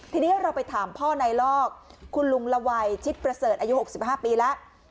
ทีนี้เราไปถามพ่อนายลอกคุณลุงละวัยชิดประเสริฐอายุ๖๕ปีแล้ว